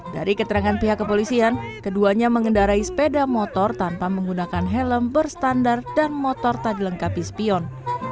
dari keterangan pihak kepolisian keduanya mengendarai sepeda motor tanpa menggunakan helm berstandar dan motor tak dilengkapi spion